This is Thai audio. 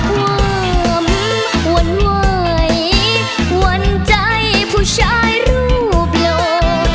อบหวมหวั่นไหวหวั่นใจผู้ชายรูปโยค